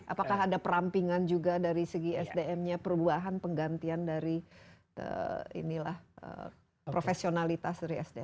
apakah ada perampingan juga dari segi sdm nya perubahan penggantian dari profesionalitas dari sdm